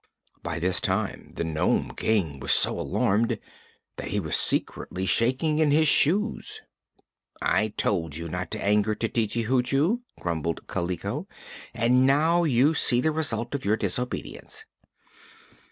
By this time the Nome King was so alarmed that he was secretly shaking in his shoes. "I told you not to anger Tititi Hoochoo," grumbled Kaliko, "and now you see the result of your disobedience."